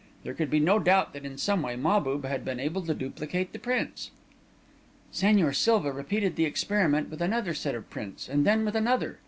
There could be no doubt that in some way Mahbub had been able to duplicate the prints. "Señor Silva repeated the experiment with another set of prints and then with another.